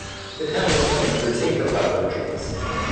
The town is known for its apricot orchards.